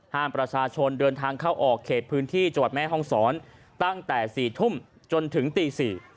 ห้ามประชาชนเดินทางเข้าออกเขตพื้นที่จังหวัดแม่ห้องศรตั้งแต่๔ทุ่มจนถึงตี๔